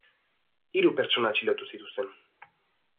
Hiru pertsona atxilotu zituzten.